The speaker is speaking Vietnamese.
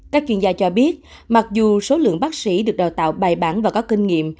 các chuyên gia cho biết mặc dù số lượng bác sĩ được đào tạo bài bản và có kinh nghiệm